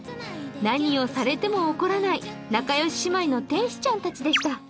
何をされても怒らない仲よし姉妹の天使ちゃんでした。